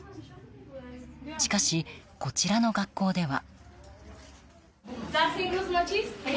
しかし、こちらの学校では。